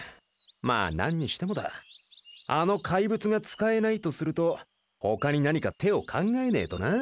まあ何にしてもだあの怪物が使えないとすると他に何か手を考えねえとなあ。